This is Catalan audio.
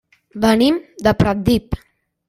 Venim de Pratdip.